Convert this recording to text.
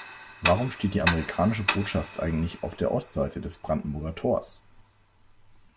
Warum steht die amerikanische Botschaft eigentlich auf der Ostseite des Brandenburger Tors?